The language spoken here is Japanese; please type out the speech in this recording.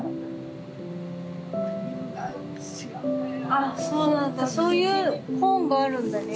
あそうなんだそういうコーンがあるんだね。